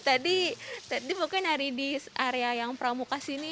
tadi pokoknya nyari di area yang pramuka sini